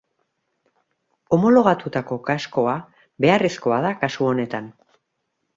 Homologatutako kaskoa beharrezkoa da kasu honetan.